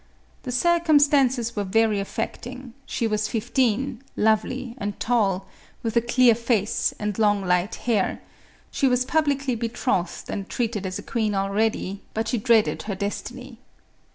The circum stances were very affecting ; she was fifteen, lovely and 214 MARIA THERESA. tall, with a clear face and long light hair ; she was pub licly betrothed and treated as a queen already; but she dreaded her destiny.